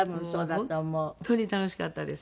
本当に楽しかったです。